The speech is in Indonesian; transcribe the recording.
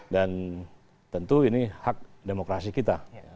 dan tentu ini hak demokrasi kita